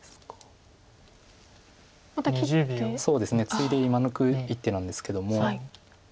ツイで今抜く一手なんですけども。